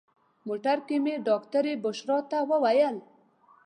موټر کې مې ډاکټرې بشرا ته وویل.